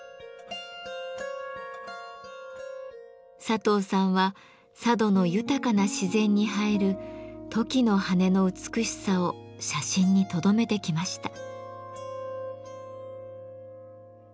佐藤さんは佐渡の豊かな自然に映えるトキの羽の美しさを写真にとどめてきました。